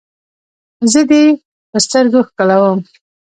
زه دې په سترګو ښکلوم.